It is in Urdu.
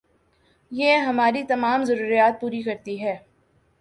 یہ ہماری تمام ضروریات پوری کرتی ہے